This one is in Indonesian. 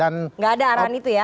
tidak ada arahan itu ya